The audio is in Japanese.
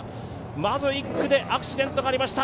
まず、１区でアクシデントがありました。